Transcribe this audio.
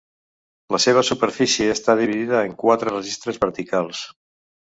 La seva superfície està dividida en quatre registres verticals.